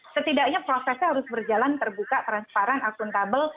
setidaknya prosesnya harus berjalan terbuka transparan akuntabel